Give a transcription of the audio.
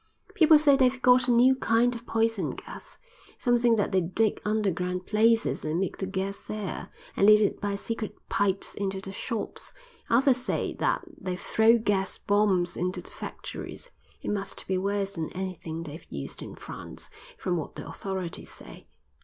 "People say they've got a new kind of poison gas. Some think that they dig underground places and make the gas there, and lead it by secret pipes into the shops; others say that they throw gas bombs into the factories. It must be worse than anything they've used in France, from what the authorities say."